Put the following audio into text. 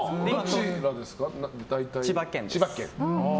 千葉県です。